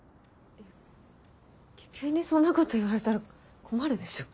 急にそんなこと言われたら困るでしょ。